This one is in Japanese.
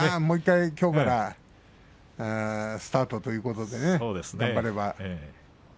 もう１回きょうからスタートということで頑張れば。